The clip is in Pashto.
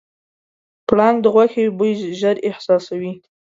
پړانګ د غوښې بوی ژر احساسوي.